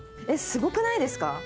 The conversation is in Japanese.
すごくないですか？